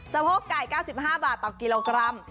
โพกไก่๙๕บาทต่อกิโลกรัม